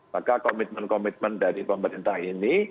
maka komitmen komitmen dari pemerintah ini